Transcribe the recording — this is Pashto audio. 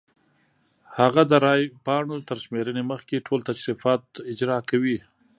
هغه د رای پاڼو تر شمېرنې مخکې ټول تشریفات اجرا کوي.